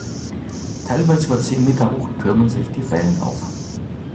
Teilweise über zehn Meter hoch türmen sich die Wellen auf.